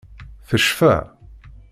Tecfa.